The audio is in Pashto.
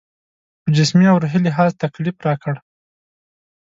په جسمي او روحي لحاظ تکلیف راکړ.